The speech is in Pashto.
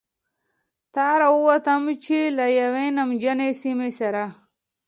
ته را ووتم، چې له یوې نمجنې سیمې سره.